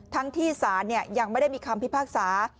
ทั้งที่ศาลยังไม่ได้มีคำพิพากษา